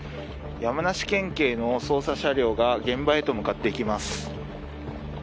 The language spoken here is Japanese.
山梨県警の捜査車両が現場へと向かっていきます。